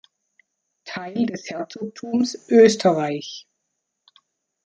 Teil des Herzogtums Österreich.